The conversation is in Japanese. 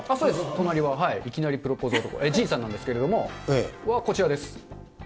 隣は、いきなりプロポーズ男、仁さんなんですけれども、こちらです。